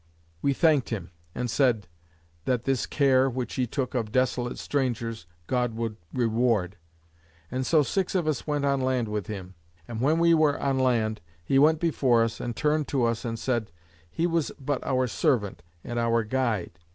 We thanked him, and said, "That this care, which he took of desolate strangers, God would reward." And so six of us went on land with him: and when we were on land, he went before us, and turned to us, and said, "He was but our servant, and our guide."